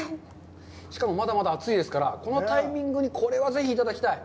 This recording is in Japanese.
しかも、まだまだ熱いですから、このタイミングに、これはぜひいただきたい。